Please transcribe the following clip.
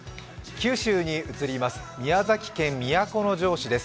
九州に移ります、宮崎県都城市です。